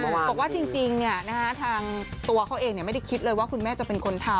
บอกว่าจริงทางตัวเขาเองไม่ได้คิดเลยว่าคุณแม่จะเป็นคนทำ